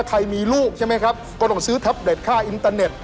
ใครมีลูกใช่ไหมครับก็ต้องซื้อแท็บเล็ตค่าอินเตอร์เน็ต